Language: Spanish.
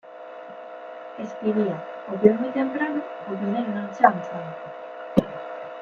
Escribía o bien muy temprano o bien en la noche avanzada.